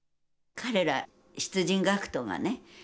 彼ら出陣学徒がね